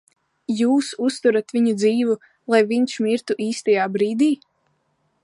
Jūs uzturat viņu dzīvu, lai viņš mirtu īstajā brīdī?